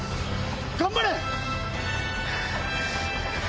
頑張れ！